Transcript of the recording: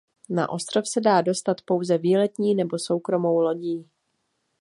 Na ostrov se dá dostat pouze výletní nebo soukromou lodí.